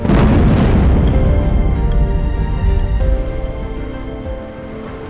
aku merasa takut